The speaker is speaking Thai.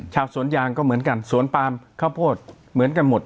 ชาวสวนยางก็เหมือนกันสวนปามข้าวโพดเหมือนกันหมด